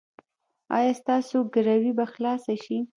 ایا ستاسو ګروي به خلاصه شي؟